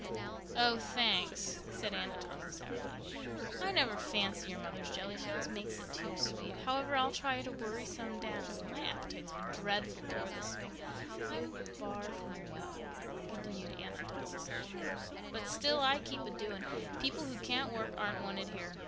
"Oh, thanks," said Aunt Atossa sourly. "I never fancy your mother's jelly—she always makes it too sweet. However, I'll try to worry some down. My appetite's been dreadful poor this spring. I'm far from well," continued Aunt Atossa solemnly, "but still I keep a doing. People who can't work aren't wanted here.